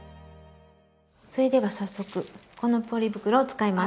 それでは早速このポリ袋を使います。